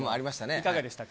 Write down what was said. いかがでしたか？